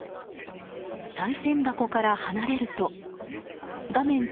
さい銭箱から離れると画面